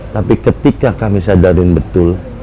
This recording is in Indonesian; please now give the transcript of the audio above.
tapi ketika kami sadarin betul